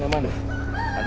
nih tanganku masih diikat